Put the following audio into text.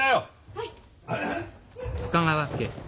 ・はい。